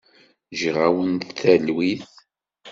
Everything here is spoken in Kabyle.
Ǧǧiɣ-awent talwit.